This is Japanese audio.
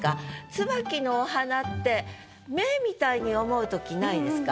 椿のお花って目みたいに思う時ないですか？